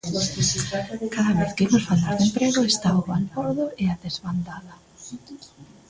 Cada vez que imos falar de emprego está o balbordo e a desbandada.